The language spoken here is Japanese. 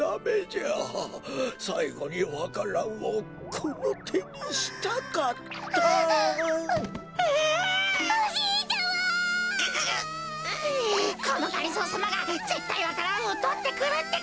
このがりぞーさまがぜったいわか蘭をとってくるってか！